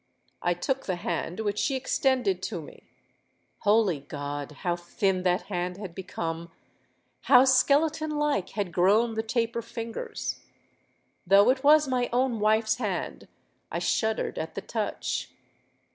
'—I took the hand which she extended to me: holy God! how thin that hand had become—how skeleton like had grown the taper fingers. Though it was my own wife's hand I shuddered at the touch.